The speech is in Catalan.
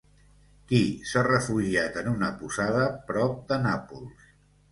Qui s'ha refugiat en una posada prop de Nàpols?